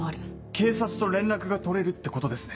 警察と連絡が取れるってことですね。